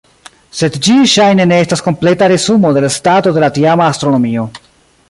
Sed ĝi ŝajne ne estas kompleta resumo de la stato de la tiama astronomio.